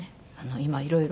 今はいろいろ。